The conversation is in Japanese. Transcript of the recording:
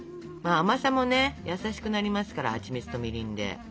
甘さもね優しくなりますからはちみつとみりんで。